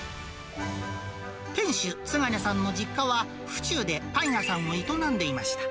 店主、津金さんの実家は、府中でパン屋さんを営んでいました。